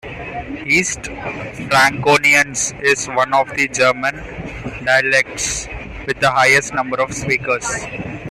East Franconian is one of the German dialects with the highest number of speakers.